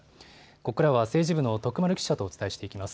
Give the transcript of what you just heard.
ここからは政治部の徳丸記者とお伝えしていきます。